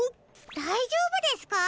だいじょうぶですか？